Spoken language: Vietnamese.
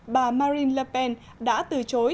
bà marine le pen đã từ chối